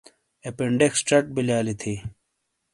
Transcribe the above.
اپینڈکس چَٹ بِیلیا لی تھی۔